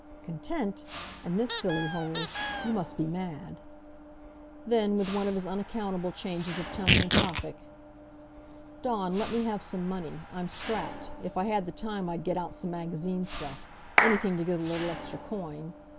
"Content! In this silly hole! You must be mad!" Then, with one of his unaccountable changes of tone and topic, "Dawn, let me have some money. I'm strapped. If I had the time I'd get out some magazine stuff. Anything to get a little extra coin.